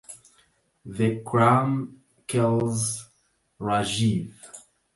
Vikram kills Rajeev.